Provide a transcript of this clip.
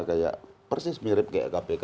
kayak persis mirip kayak kpk